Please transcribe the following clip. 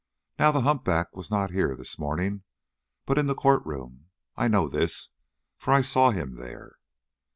Now, the humpback was not here this morning, but in the court room. I know this, for I saw him there."